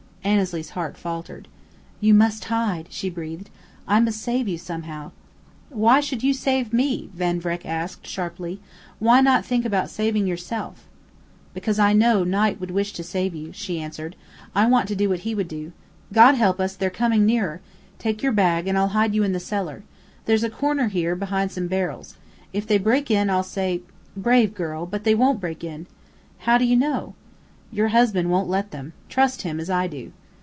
Annesley's heart faltered. "You must hide," she breathed. "I must save you somehow." "Why should you save me?" Van Vreck asked, sharply. "Why not think about saving yourself?" "Because I know Knight would wish to save you," she answered. "I want to do what he would do.... God help us, they're coming nearer! Take your bag, and I'll hide you in the cellar. There's a corner there, behind some barrels. If they break in, I'll say " "Brave girl! But they won't break in." "How do you know?" "Your husband won't let them. Trust him, as I do."